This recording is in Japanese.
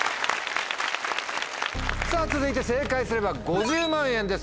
続いて正解すれば５０万円です